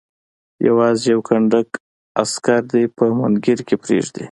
یوازې یو کنډک عسکر دې په مونګیر کې پرېږدي.